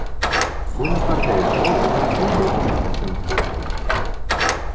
Buena parte de su obra es de publicación póstuma.